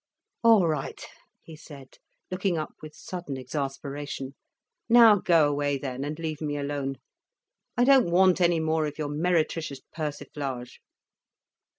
"All right," he said, looking up with sudden exasperation. "Now go away then, and leave me alone. I don't want any more of your meretricious persiflage."